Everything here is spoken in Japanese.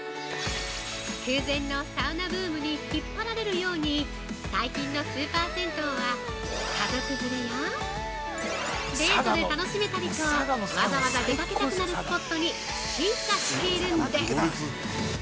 空前のサウナブームに引っ張られるように最近のスーパー銭湯は家族連れやデートで楽しめたりとわざわざ出かけたくなるスポットに進化しているんです！